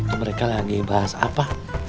oh mereka lagi bahas apa